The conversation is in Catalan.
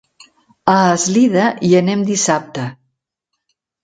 A Eslida hi anem dissabte.